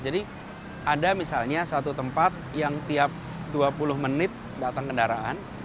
ada misalnya satu tempat yang tiap dua puluh menit datang kendaraan